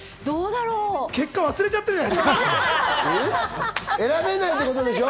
結果、忘れちゃってるじゃないの。